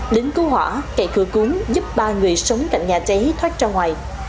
lính cứu hỏa cậy cửa cúng giúp ba người sống cạnh nhà cháy thoát ra ngoài